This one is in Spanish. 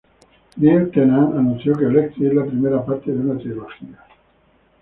Neil Tennant anunció que Electric es la primera parte de una trilogía.